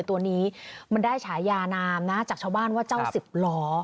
ตัวนี้มันได้ฉายานามนะจากชาวบ้านว่าเจ้าสิบล้อ